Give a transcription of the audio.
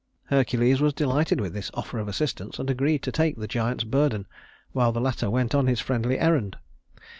Hercules was delighted with this offer of assistance, and agreed to take the giant's burden while the latter went on his friendly errand.